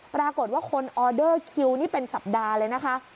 ปรากฏว่าคนออเดอร์คิวนี่เป็นสัปดาห์เลยนะคะ